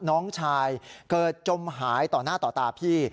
น้องชายเกิดจมหายต่อหน้าต่อตาพี่